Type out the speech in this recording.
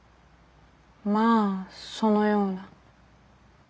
まあそのような。